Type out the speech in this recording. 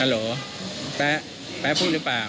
ฮาร์โหลแป๊อบแป๊อบพูดหรือเปล่า